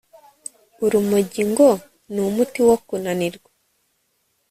urumogi ngo ni umuti wo kunanirwa